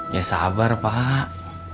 ya sabar pak